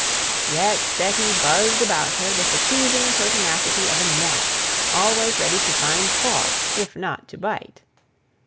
Yet Betty buzzed about her with the teasing pertinacity of a gnat, always ready to find fault, if not to bite.